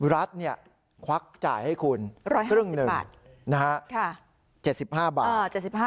รัฐควักจ่ายให้คุณครึ่งหนึ่งนะฮะ๗๕บาท